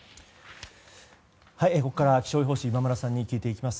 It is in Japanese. ここからは気象予報士今村さんに聞いていきます。